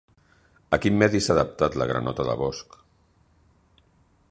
A quin medi s'ha adaptat la granota de bosc?